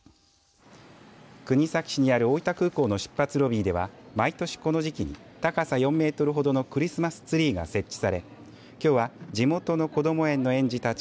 国東市にある大分空港の出発ロビーでは毎年この時期に高さ４メートルほどのクリスマスツリーが設置されきょうは地元のこども園の園児たち